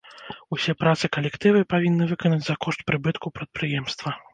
Усе працы калектывы павінны выканаць за кошт прыбытку прадпрыемства.